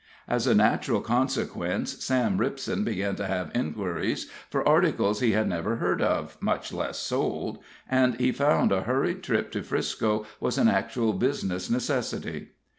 As a natural consequence, Sim Ripson began to have inquiries for articles which he had never heard of, much less sold, and he found a hurried trip to 'Frisco was an actual business necessity.